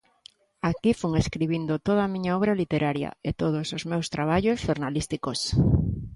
Aquí fun escribindo toda a miña obra literaria e todos os meus traballos xornalísticos.